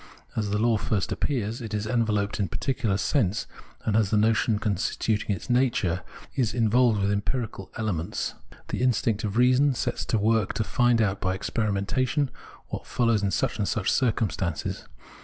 As the law first appears, it is enveloped in particulars of sense, and the notion constituting its nature is involved with empirical elements. The instinct of reason sets to work to find out by experiment what follows in such and such circumstances.